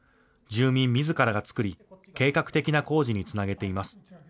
住民みずからが作り計画的な工事につなげています。